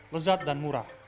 lezat dan murah